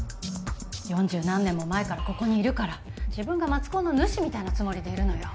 四十何年も前からここにいるから自分が松高の主みたいなつもりでいるのよ。